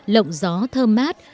lộng gió thơm mát